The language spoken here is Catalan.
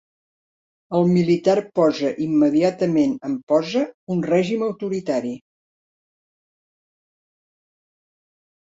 El militar posa immediatament en posa un règim autoritari.